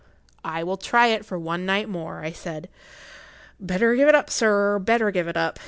"I will try it for one night more," I said. "Better give it up, sir—better give it up!